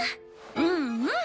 うんうん。